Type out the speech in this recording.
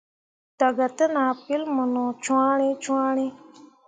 Daga te nah pel mu no cyãhrii cyãhrii.